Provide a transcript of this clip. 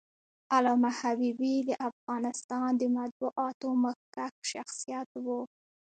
علامه حبيبي د افغانستان د مطبوعاتو مخکښ شخصیت و.